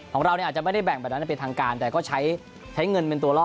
ของเราเนี่ยอาจจะไม่ได้แบ่งแบบนั้นเป็นทางการแต่ก็ใช้เงินเป็นตัวล่อ